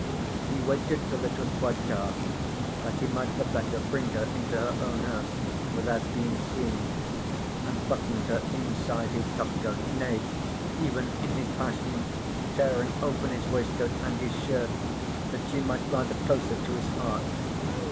He waited till it was quite dark that he might the better bring her into her own house without being seen, and buttoned her inside his topcoat, nay, even in his passion tearing open his waistcoat and his shirt that she might lie the closer to his heart.